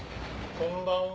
こんばんは。